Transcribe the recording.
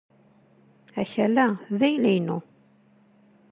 Akal-a d ayla-inu.